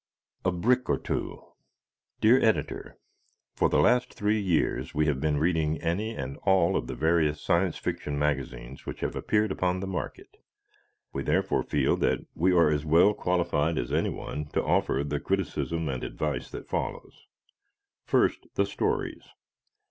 A Brick or Two Dear Editor: For the last three years we have been reading any and all of the various Science Fiction magazines which have appeared upon the market. We therefore feel that we are as well qualified as anyone to offer the criticism and advice that follows. First, the stories.